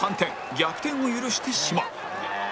逆転を許してしまう